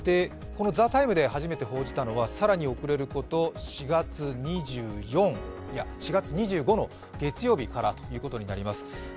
「ＴＨＥＴＩＭＥ，」で初めて報じたのは更に遅れること４月２５の月曜日からということになります。